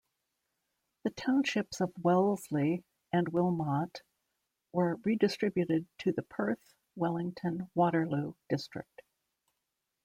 The Townships of Wellesley and Wilmot were redistributed to the Perth-Wellington-Waterloo district.